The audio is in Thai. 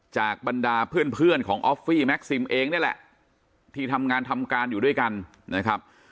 บรรดาเพื่อนของออฟฟี่แม็กซิมเองนี่แหละที่ทำงานทำการอยู่ด้วยกันนะครับ